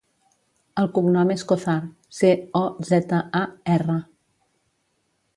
El cognom és Cozar: ce, o, zeta, a, erra.